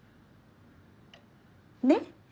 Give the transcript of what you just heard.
ねっ？